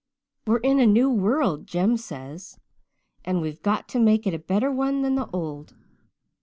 "'We're in a new world,' Jem says, 'and we've got to make it a better one than the old.